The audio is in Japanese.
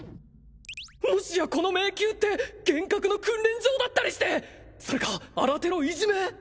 もしやこの迷宮って幻覚の訓練場だったりしてそれか新手のいじめ！？